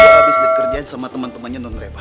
dia abis dikerjain sama temen temennya nonreva